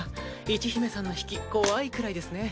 一姫さんの引き怖いくらいですね。